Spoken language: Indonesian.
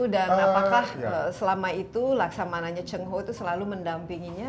dan apakah selama itu laksamananya cheng ho itu selalu mendampinginya